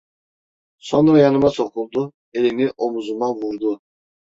Sonra yanıma sokuldu, elini omuzuma vurdu: